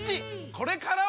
これからは！